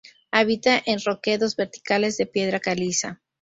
Habita en roquedos verticales de piedra caliza.